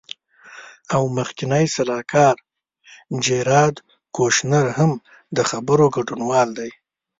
او مخکینی سلاکار جیراد کوشنر هم د خبرو ګډونوال دی.